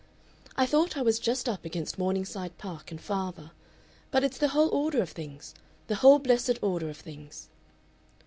"I thought I was just up against Morningside Park and father, but it's the whole order of things the whole blessed order of things...."